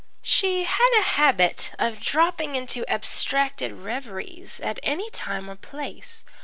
"She had a habit of dropping into abstracted reveries at any time or place.